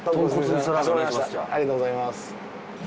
ありがとうございます。